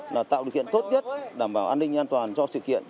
là tạo điều kiện tốt nhất đảm bảo an ninh an toàn cho sự kiện